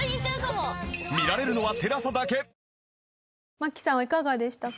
真木さんはいかがでしたか？